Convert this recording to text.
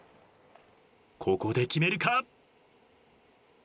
ここで決めるか？